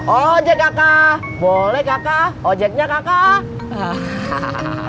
ojek kakak boleh kakak ojeknya kakak